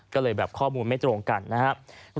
ก็เลยแบบข้อมูลไม่ตรงกันนะครับ